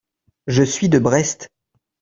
Je suis de Brest.